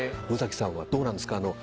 宇崎さんはどうなんですか？